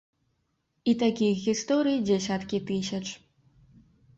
І такіх гісторый дзясяткі тысяч.